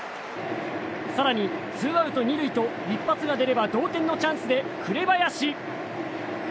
更に、ツーアウト２塁と一発が出れば同点のチャンスで紅林。